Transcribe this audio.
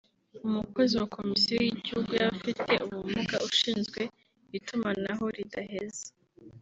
umukozi wa Komisiyo y’Igihugu y’Abafite Ubumuga ushinzwe itumanaho ridaheza